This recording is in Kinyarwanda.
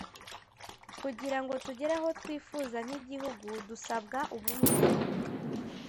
kugirango tugere aho twifuza nk’ igihugu dusabwa ubumwe.